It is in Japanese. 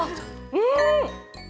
◆うん！